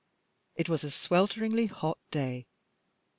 It was a swelteringly hot day.